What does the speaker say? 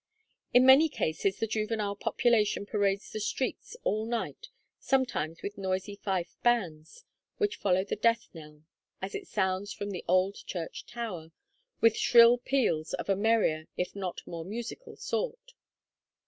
In many cases the juvenile population parades the street all night, sometimes with noisy fife bands, which follow the death knell, as it sounds from the old church tower, with shrill peals of a merrier if not more musical sort.